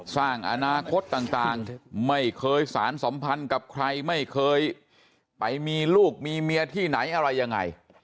สร้างอนาคตต่างไม่เคยสารสัมพันธ์กับใครไม่เคยไปมีลูกมีเมียที่ไหนอะไรยังไง